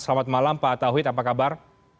selamat malam pak tauhid apa kabar